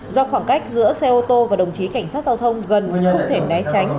do khoảng cách giữa xe ô tô và đồng chí cảnh sát giao thông gần như không thể né tránh